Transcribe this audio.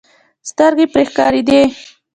سترګې پرې ښکارېدې.